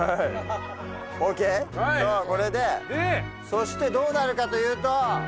そしてどうなるかというと。